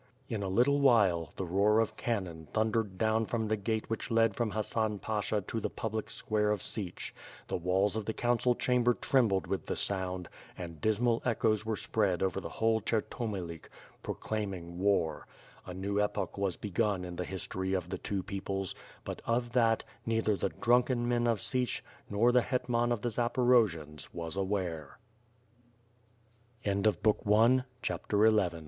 In a little while, the roar of cannon thundered down from the gate which led from Hassan Pasha to the public square of Sich; the walls of the council chamber trembled with the sound, and dismal ^choes were spread over the whole Cher tomelik, proclaiming war. A new epoch was begun in the history of the two peoples, but of that, neither the drunken men of Sich, nor the hetman of the Zaporojians was av^rare.